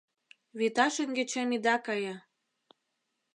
Вӱта шеҥгечем ида кае -